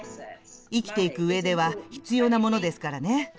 生きていくうえでは必要なものですからね。